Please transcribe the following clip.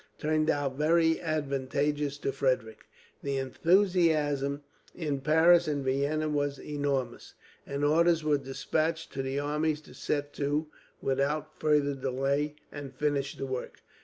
turned out very advantageous to Frederick. The enthusiasm in Paris and Vienna was enormous, and orders were despatched to the armies to set to, without further delay, and finish the work.